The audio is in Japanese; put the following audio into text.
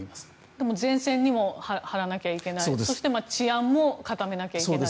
でも前線にも張らなきゃいけないそして治安も固めなきゃいけない。